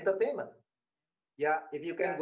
dia akan menunjukkan